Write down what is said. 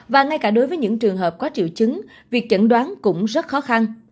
và ngay cả đối với những trường hợp có triệu chứng việc chẩn đoán cũng rất khó khăn